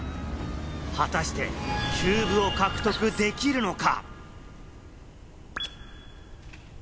果たしてキューブを獲得できるのか？